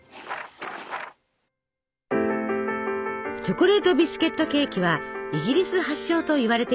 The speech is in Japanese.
チョコレートビスケットケーキはイギリス発祥といわれています。